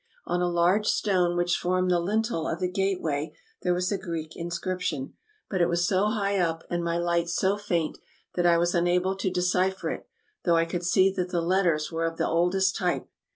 On a large stone which formed the lintel of the gateway there was a Greek inscription ; but it was so high up, and my light so faint, that I was unable to decipher it, though I could see that the letters were of the oldest type.